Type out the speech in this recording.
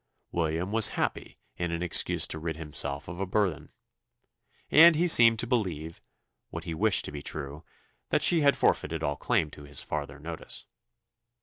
William was happy in an excuse to rid himself of a burthen, and he seemed to believe, what he wished to be true that she had forfeited all claim to his farther notice.